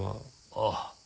ああ。